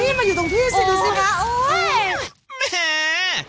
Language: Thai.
ดูสิดูสิขาเอ้ย